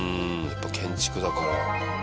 やっぱ建築だから。